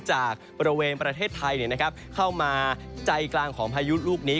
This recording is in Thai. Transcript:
จากบริเวณประเทศไทยเข้ามาใจกลางของพายุลูกนี้